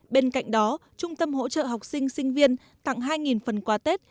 bên cạnh đó trung tâm hỗ trợ học sinh sinh viên tặng hai phần quà tết